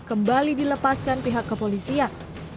kembali dilepaskan pihak kepolisian